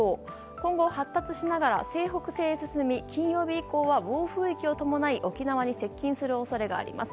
今後、発達しながら西北西へ進み金曜日以降は暴風域を伴い沖縄に接近する恐れがあります。